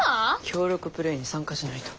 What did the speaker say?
協力プレーに参加しないと。